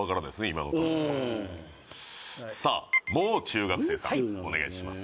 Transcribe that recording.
今のとこうんさあもう中学生さんお願いします